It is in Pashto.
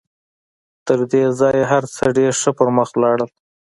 تر دې ځایه هر څه ډېر ښه پر مخ ولاړل